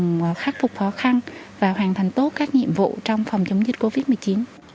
nhằm khắc phục khó khăn và hoàn thành tốt các nhiệm vụ trong phòng chống dịch covid một mươi chín